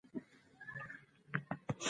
استمراري ماضي د دوام نخښه ده.